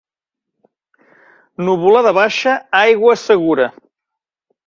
Nuvolada baixa, aigua segura.